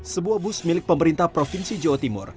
sebuah bus milik pemerintah provinsi jawa timur